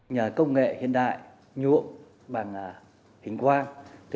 nhờ công nghệ hiện đại nhuộm bằng hình quang